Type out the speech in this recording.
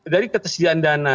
dari ketersediaan dana